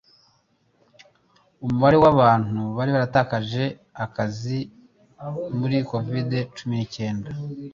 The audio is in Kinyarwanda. umubare wabantu bari baratakaje akazi muri covid cumi nicyenda